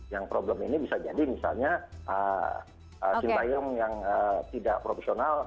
yang problem ini bisa jadi misalnya sintayong yang tidak profesional